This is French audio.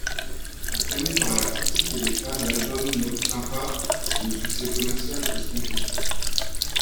Acclamé par la critique et les fans, l'album n’obtint pas le succès commercial escompté.